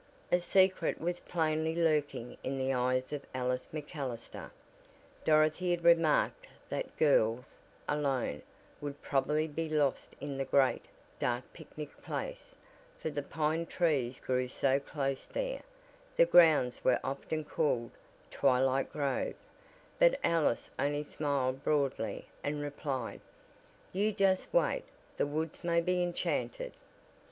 A secret was plainly lurking in the eyes of Alice MacAllister. Dorothy had remarked that girls, alone, would probably be lost in the great, dark picnic place, for the pine trees grew so close there, the grounds were often called "Twilight Grove"; but Alice only smiled broadly and replied: "You just wait the woods may be enchanted."